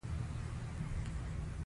خلکو ولوستلې دا یې کمال و.